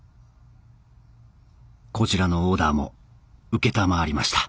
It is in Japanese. こちらのオーダーも承りました